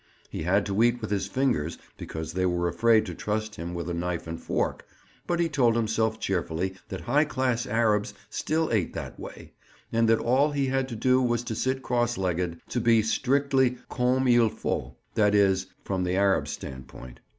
He had to eat with his fingers because they were afraid to trust him with a knife and fork, but he told himself cheerfully that high class Arabs still ate that way, and that all he had to do was to sit cross legged, to be strictly comme il faut—that is, from the Arab's standpoint.